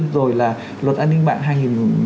rồi là luật an ninh mạng hai nghìn một mươi bốn